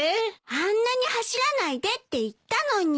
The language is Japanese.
あんなに走らないでって言ったのに。